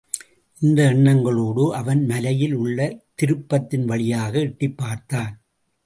இந்த எண்ணங்களோடு அவன் மலையில் உள்ள திருப்பத்தின் வழியாக எட்டிப் பார்த்தான்.